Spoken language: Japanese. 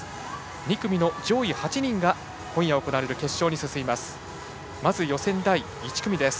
２組の上位８人が今夜行われる決勝に進みます。